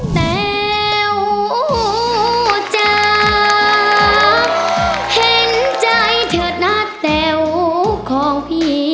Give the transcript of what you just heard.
เป็นแม่มายแม่มายจะเต้นยังไงครับ